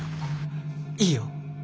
いいよ。